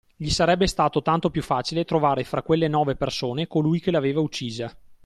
Gli sarebbe stato tanto più facile trovare fra quelle nove persone colui che l'aveva uccisa.